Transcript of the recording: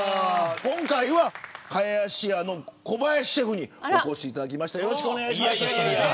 今回は、はやしやの小林シェフにお越しいただきました。